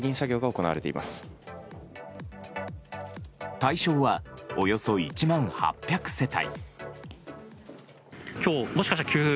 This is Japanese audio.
対象は、およそ１万８００世帯。